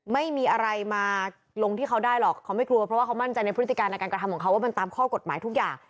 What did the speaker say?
ไม่มีอะไรมาลงที่เขาได้หรอกเขาไม่กลัวเพราะว่าเขามั่นใจในพฤติการในการกระทำของเขาว่ามันตามข้อกฎหมายทุกอย่าง